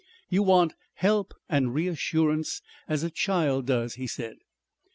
"You want help and reassurance as a child does," he said.